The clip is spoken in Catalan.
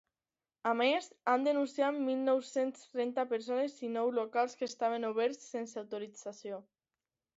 A més, han denunciat mil nou-cents trenta persones i nou locals que estaven oberts sense autorització.